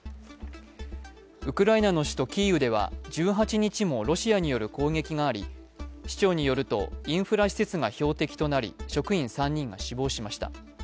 ウクライナの首都キーウでは１８日にもロシアによる攻撃があり、市長によると、インフラ施設が標的となり職員３人が死亡しました。